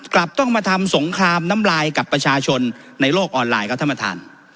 กลับต้องมาทำสงครามน้ำลายกับประชาชนในโลกออนไลน์ครับท่านประธาน